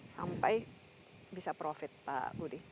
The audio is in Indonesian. sampai bisa profit pak budi